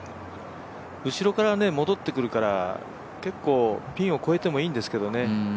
後ろから戻ってくるから、結構ピンを越えてもいいんですけどね。